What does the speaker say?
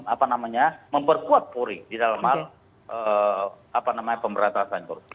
apa namanya memperkuat polri di dalam hal apa namanya pemberantasan korupsi